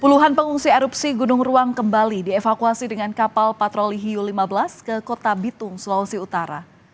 puluhan pengungsi erupsi gunung ruang kembali dievakuasi dengan kapal patroli hiu lima belas ke kota bitung sulawesi utara